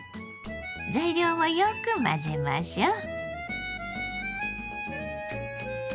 材料をよく混ぜましょう。